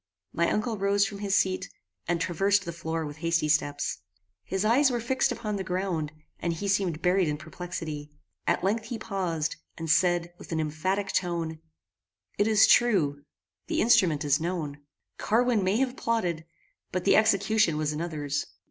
My uncle rose from his seat, and traversed the floor with hasty steps. His eyes were fixed upon the ground, and he seemed buried in perplexity. At length he paused, and said with an emphatic tone, "It is true; the instrument is known. Carwin may have plotted, but the execution was another's.